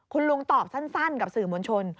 คุณลุงตอบสั้นกับสื่อมวลชน